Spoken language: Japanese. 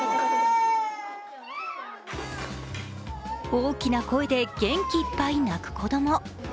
大きな声で元気いっぱい泣く子供。